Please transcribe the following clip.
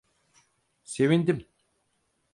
Sevindim.